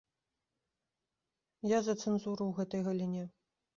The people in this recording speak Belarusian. Я за цэнзуру ў гэтай галіне.